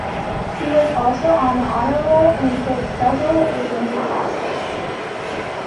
He was also on the Honor Roll and took several advanced classes.